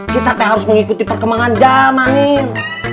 kita te harus mengikuti perkembangan jaman nin